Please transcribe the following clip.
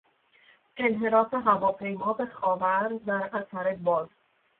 انحراف هواپیما به خاور در اثر باد